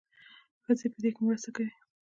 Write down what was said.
ښځې په دې کې مرسته کوي.